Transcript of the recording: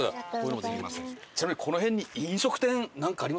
ちなみにこの辺に飲食店なんかありますかね？